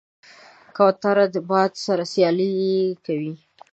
کوتره د باد سره سیالي کوي.